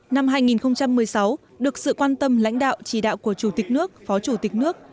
năm hai nghìn một mươi sáu được sự quan tâm lãnh đạo chỉ đạo của chủ tịch nước phó chủ tịch nước